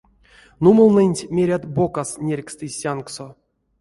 Нумолнэнть, мерят, бокас нерькстызь сянгсо.